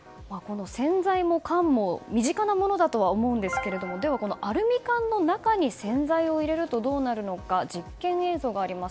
洗剤も缶も身近なものだとは思うんですがでは、アルミ缶の中に洗剤を入れるとどうなるのか実験映像があります。